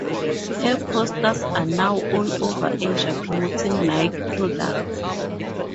Her posters are now all over Asia promoting Nike products.